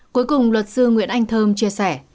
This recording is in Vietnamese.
cuối cùng luật sư nguyễn anh thơm chia sẻ